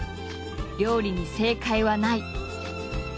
「料理に正解はない」。